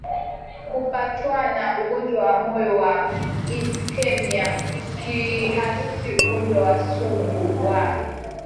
kupatwana ugonjwa wa moyo wa ischaemic kiharusi ugonjwa sugu wa